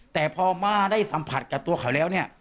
แต่พอมาได้สัมผัสกับตัวเขาแล้วเนี่ย